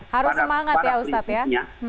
harus semangat ya ustadz ya